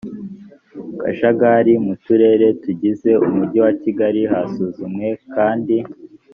akajagari mu turere tugize umujyi wa kigali hasuzumwe kandi